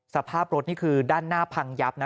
สภาพรถนี่คือด้านหน้าพังยับนะ